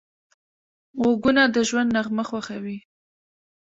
غوږونه د ژوند نغمه خوښوي